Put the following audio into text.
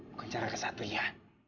bukan cara kesatunya